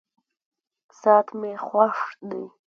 ساعت مي خوښ دی.